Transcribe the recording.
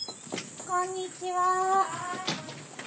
こんにちは。